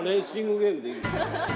ゲームでいい